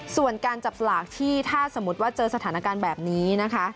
ส่วนการจับสลากที่ถ้าสมมุติว่าเจอสถานการณ์แบบนี้นะคะ